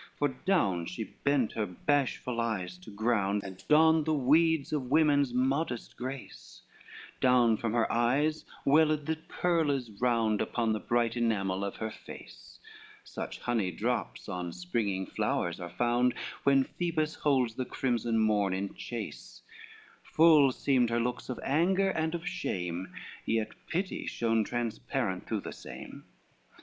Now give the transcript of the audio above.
XCIV For down she bet her bashful eyes to ground, And donned the weed of women's modest grace, Down from her eyes welled the pearls round, Upon the bright enamel of her face; Such honey drops on springing flowers are found When Phoebus holds the crimson morn in chase; Full seemed her looks of anger, and of shame; Yet pity shone transparent through the same.